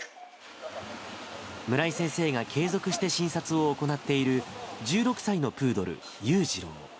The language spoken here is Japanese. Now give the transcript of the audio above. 村井先生が継続して診察を行っている１６歳のプードル、ユウジロウ。